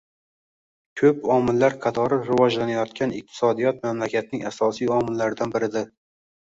Koʻp omillar qatori rivojlanayotgan iqtisodiyot mamlakatning asosiy omillardan biridir.